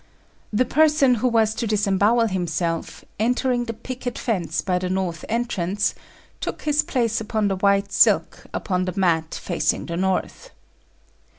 The person who was to disembowel himself, entering the picket fence by the north entrance, took his place upon the white silk upon the mat facing the north.